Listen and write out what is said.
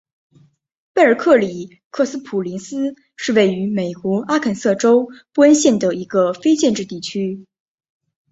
贝尔克里克斯普林斯是位于美国阿肯色州布恩县的一个非建制地区。